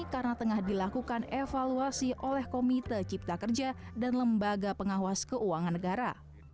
karena tengah dilakukan evaluasi oleh komite cipta kerja dan lembaga pengawas keuangan negara